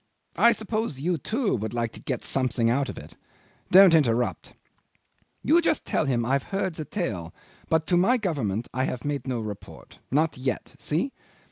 I suppose you too would like to get something out of it? Don't interrupt. You just tell him I've heard the tale, but to my Government I have made no report. Not yet. See?